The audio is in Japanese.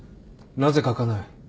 なぜ書かない？